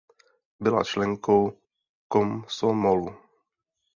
Byla členkou Komsomolu.